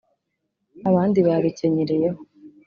abandi babikenyereraho